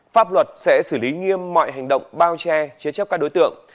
pháp luật sẽ xử lý nghiêm mọi hành động bao che chế chấp các đối tượng